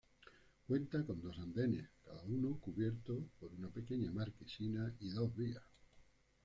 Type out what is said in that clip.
Cuenta con dos andenes, cada uno cubierto por una pequeña marquesina, y dos vías.